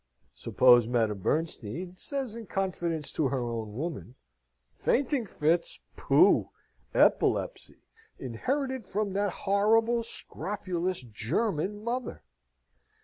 Suppose Madame Bernstein says in confidence to her own woman, "Fainting fits! pooh! epilepsy! inherited from that horrible scrofulous German mother!"